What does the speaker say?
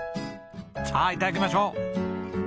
さあ頂きましょう！